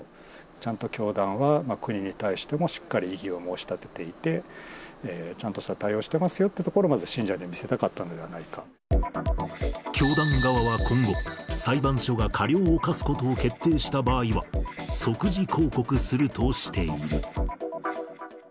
ちゃんと教団は国に対してもしっかり異議を申し立てていて、ちゃんとした対応してますよっていうところを、まず信者に見せた教団側は今後、裁判所が過料を科すことを決定した場合は、即時抗告するとしている。